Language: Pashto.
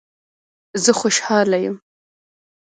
زه خوشحاله یم